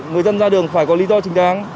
người dân ra đường phải có lý do chính đáng